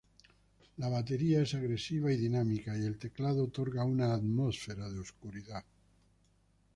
La batería es agresiva y dinámica, y el teclado otorga una atmósfera de oscuridad.